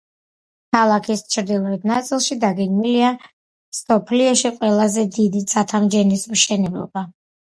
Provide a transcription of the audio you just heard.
ქალაქის ჩრდილოეთ ნაწილში დაგეგმილია მსოფლიოში ყველაზე დიდი ცათამბჯენის მშენებლობა.